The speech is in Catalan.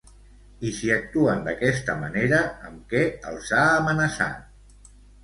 I si actuen d'aquesta manera, amb què els ha amenaçat?